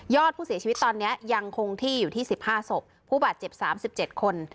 ผู้เสียชีวิตตอนนี้ยังคงที่อยู่ที่๑๕ศพผู้บาดเจ็บ๓๗คน